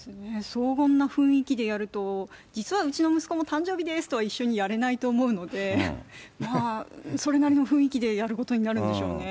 荘厳な雰囲気でやると、実はうちの息子も誕生日ですとは、一緒にやれないと思うので、それなりの雰囲気でやることになるんでしょうね。